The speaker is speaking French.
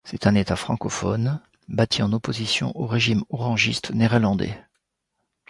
C'est un État francophone bâti en opposition au régime orangiste néerlandais.